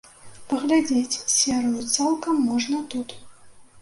Паглядзець серыю цалкам можна тут.